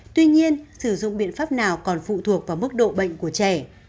tuy nhiên sử dụng biện pháp nào còn phụ thuộc vào mức độ bệnh của trẻ